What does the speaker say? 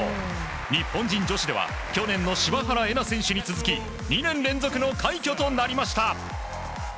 日本人女子では去年の柴原瑛菜選手に続き２年連続の快挙となりました。